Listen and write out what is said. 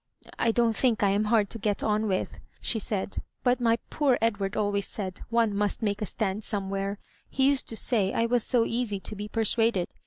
" I don't think I am hard to get on with," ^e said, " but my poor Edward always said one must make a stand somewhere. He used to say I was so easy to be persuaded.